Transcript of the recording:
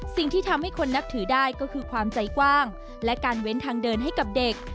สิ่งที่ทำให้คนนับถือได้ก็คือความใจกว้างและการเว้นทางเดินให้กับเด็ก